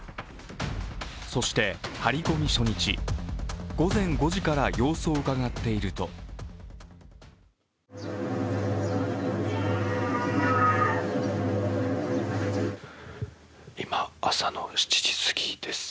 そして、張り込み初日、午前５時から様子をうかがっていると今、朝の７時すぎです。